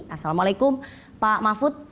assalamualaikum pak mahfud